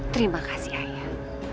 terima kasih ayah